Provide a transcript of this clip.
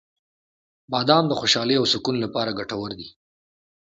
• بادام د خوشحالۍ او سکون لپاره ګټور دي.